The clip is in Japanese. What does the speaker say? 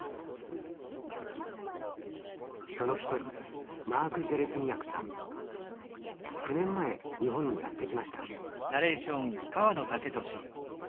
その一人９年前日本にやって来ました。